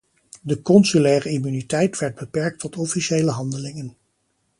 De consulaire immuniteit werd beperkt tot officiële handelingen.